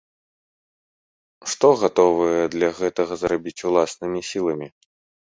Што гатовыя для гэтага зрабіць уласнымі сіламі?